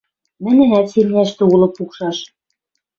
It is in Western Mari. Нӹнӹнӓт семняштӹ улы пукшаш